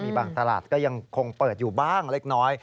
มีบางตลาดก็ยังคงเปิดอยู่บ้างเล็กน้อย